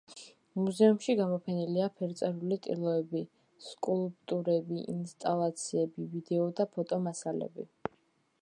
მუზეუმში გამოფენილია ფერწერული ტილოები, სკულპტურები, ინსტალაციები, ვიდეო და ფოტო მასალები.